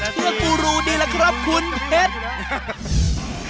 เพื่อกูรูนี่แหละครับคุณเพชร